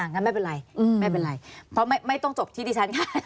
งั้นไม่เป็นไรไม่เป็นไรเพราะไม่ต้องจบที่ดิฉันค่ะ